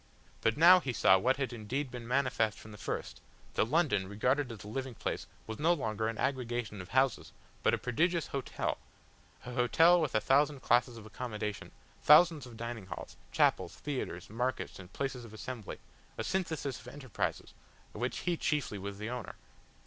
But now he saw what had indeed been manifest from the first, that London, regarded as a living place, was no longer an aggregation of houses but a prodigious hotel, an hotel with a thousand classes of accommodation, thousands of dining halls, chapels, theatres, markets and places of assembly, a synthesis of enterprises, of which he chiefly was the owner.